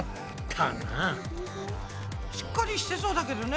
しっかりしてそうだけどね。